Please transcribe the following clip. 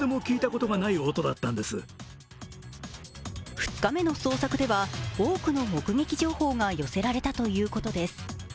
２日目の捜索では多くの目撃情報が寄せられたということです。